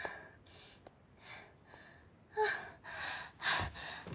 ああ。